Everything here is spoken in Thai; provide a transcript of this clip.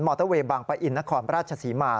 อเตอร์เวย์บางปะอินนครราชศรีมา